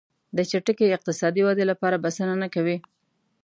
د چټکې اقتصادي ودې لپاره بسنه نه کوي.